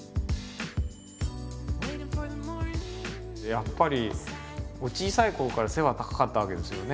やっぱりお小さいころから背は高かったわけですよね。